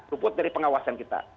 luput dari pengawasan kita